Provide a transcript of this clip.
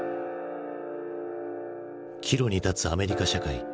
岐路に立つアメリカ社会。